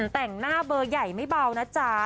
แต่งหน้าเบอร์ใหญ่ไม่เบานะจ๊ะ